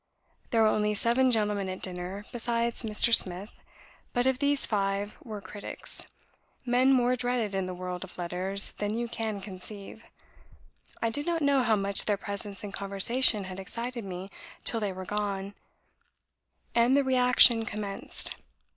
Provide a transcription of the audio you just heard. There were only seven gentlemen at dinner besides Mr. Smith, but of these five were critics men more dreaded in the world of letters than you can conceive. I did not know how much their presence and conversation had excited me till they were gone, and the reaction commenced.